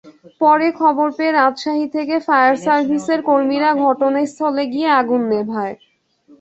পরে খবর পেয়ে রাজশাহী থেকে ফায়ার সার্ভিসের কর্মীরা ঘনাস্থলে গিয়ে আগুন নেভায়।